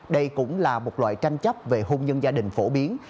đây cũng là một loại tranh chấp về hôn nhân gia đình phổ biến